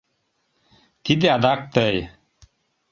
— Тиде адак тый.